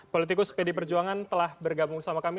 politikus pd perjuangan telah bergabung sama kami